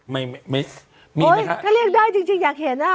ไม่ไม่มีไหมคะถ้าเรียกได้จริงจริงอยากเห็นอ่ะ